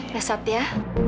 ya sat ya